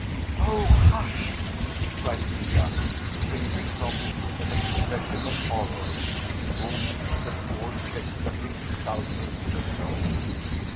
"O hush!" cried Hilda, shrinking from him with an expression of horror which wounded the poor, speculative sculptor to the soul.